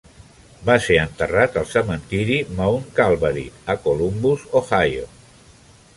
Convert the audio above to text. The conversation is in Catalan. Va ser enterrat al cementiri Mount Calvary a Columbus, Ohio.